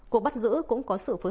cuộc bắt giữ cũng có sự phối hợp